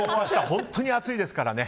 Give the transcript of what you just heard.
本当に暑いですからね。